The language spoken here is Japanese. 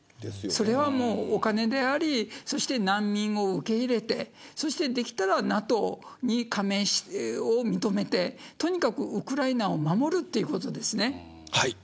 それはお金であり、そして難民を受け入れてそしてできたらＮＡＴＯに加盟を認めてとにかくウクライナを守るということですね。